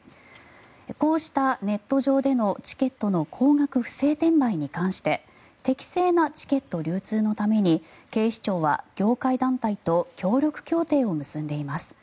こうしたネット上でのチケットの高額不正転売に関して適正なチケット流通のために警視庁は、業界団体と協力協定を結んでいます。